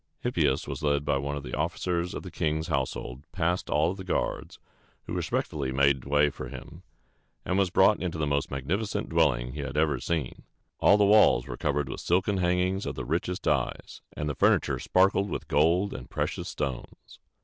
Hippias was led by one of the officers of the king's household past all the guards, who respectfully made way for him, and was brought into the most magnificent dwelling he had ever seen. All the walls were covered with silken hangings of the richest dyes, and the furniture sparkled with gold and precious stones.